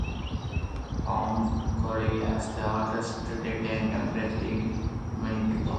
Plum Coulee has the hottest daytime temperatures in Manitoba.